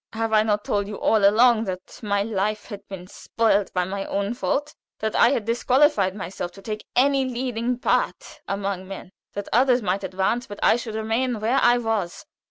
Have I not told you all along that my life had been spoiled by my own fault? that I had disqualified myself to take any leading part among men? that others might advance, but I should remain where I was?